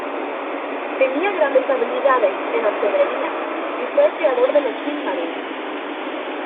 Tenía grandes habilidades en orfebrería y fue el creador de los Silmarils.